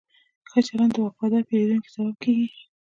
ښه چلند د وفادار پیرودونکو سبب کېږي.